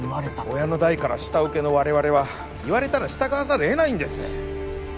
親の代から下請けの我々は言われたら従わざるをえないんです